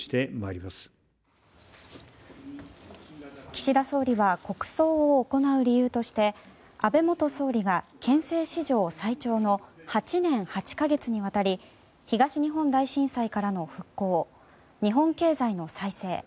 岸田総理は国葬を行う理由として安倍元総理が憲政史上最長の８年８か月にわたり東日本大震災からの復興日本経済の再生